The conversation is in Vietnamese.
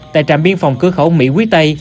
tại trạm biên phòng cứ khẩu mỹ quý tây